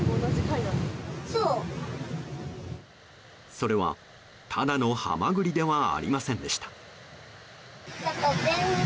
それは、ただのハマグリではありませんでした。